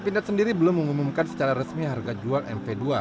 pindad sendiri belum mengumumkan secara resmi harga jual mv dua